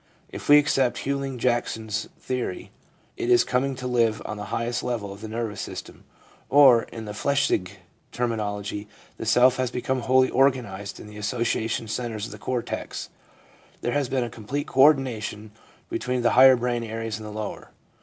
If we accept Hughlings Jackson's theory, it is coming to live on the highest level of the nervous system ; or, in the Flechsig terminology, the self has become wholly organised in the association centres of the cortex. There has been a complete co ordination between the higher brain areas and the lower.